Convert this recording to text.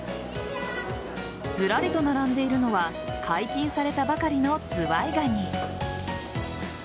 ずらりと並んでいるのは解禁されたばかりのズワイガニ。